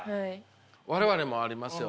我々もありますよ。